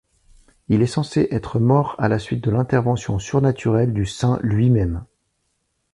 Il est censé être mort à la suite de l'intervention surnaturelle du Saint lui-même.